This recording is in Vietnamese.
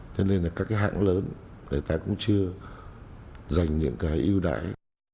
thế nên là các hãng lớn người ta cũng chưa dành những cái ưu đại